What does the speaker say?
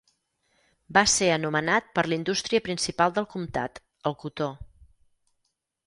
Va ser anomenat per la indústria principal del comtat, el cotó.